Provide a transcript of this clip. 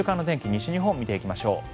西日本を見ていきましょう。